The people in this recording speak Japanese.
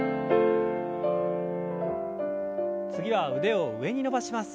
次は腕を上に伸ばします。